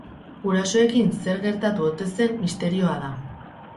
Gurasoekin zer gertatu ote zen, misterioa da.